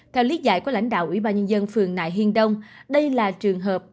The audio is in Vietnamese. theo lý giải của lãnh đạo ủy ban nhân dân phường nại hiên đông đây là trường hợp